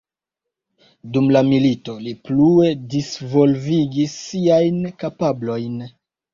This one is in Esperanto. Dum la milito li plue disvolvigis siajn kapablojn.